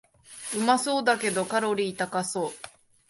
うまそうだけどカロリー高そう